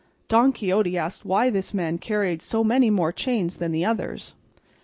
Don Quixote asked why this man carried so many more chains than the others.